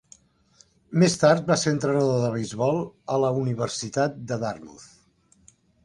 Més tard va ser entrenador de beisbol a la Universitat de Dartmouth.